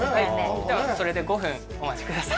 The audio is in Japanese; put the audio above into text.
それで５分お待ちください。